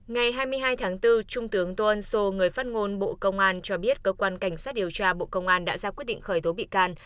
ngày hai mươi hai tháng bốn trung tướng tô ân sô người phát ngôn bộ công an cho biết cơ quan cảnh sát điều tra bộ công an đã ra quyết định khởi tố bị can